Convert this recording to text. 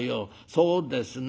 そうですね